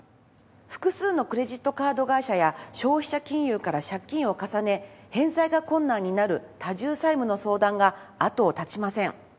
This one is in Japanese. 複数のクレジットカード会社や消費者金融から借金を重ね返済が困難になる多重債務の相談があとを絶ちません。